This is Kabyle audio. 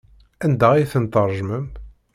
Anda ay tent-tṛejmem?